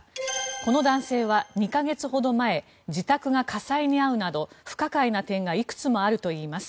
この男性は２か月ほど前自宅が火災に遭うなど不可解な点がいくつもあるといいます。